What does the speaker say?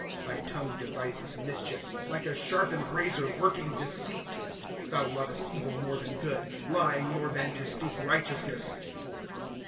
^ Thy tongue devises mischiefs, Lilie a sharpened razor, worliing deceit ^ Thou lovest evil more than good ; Lying, more than to speak righteousness.